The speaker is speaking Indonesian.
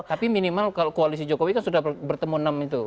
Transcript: tapi minimal kalau koalisi jokowi kan sudah bertemu enam itu